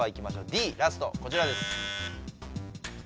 Ｄラストこちらです。